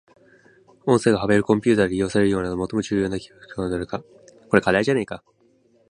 音声が幅広くコンピュータで利用されるようになった最も重要な技術基盤はどれか。